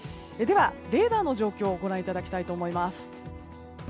レーダーの状況をご覧いただきたいと思います。